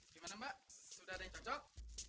gimana mbak sudah ada yang cocok